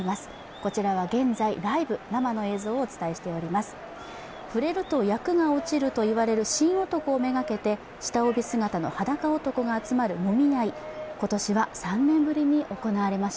こちらは現在、ライブ、生の映像をお伝えしております。